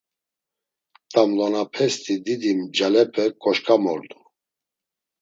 T̆amlonapesti didi ncalepe koşǩamordu.